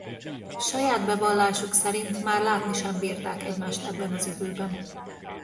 Saját bevallásuk szerint már látni sem bírták egymást ebben az időben.